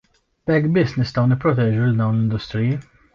B'hekk biss nistgħu nipproteġu lil dawn l-industriji.